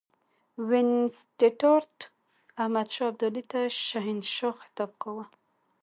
وینسیټارټ احمدشاه ابدالي ته شهنشاه خطاب کاوه.